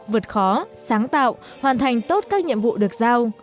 vượt khó sáng tạo hoàn thành tốt các nhiệm vụ được giao